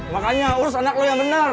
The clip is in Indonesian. makanya urus anak lo yang benar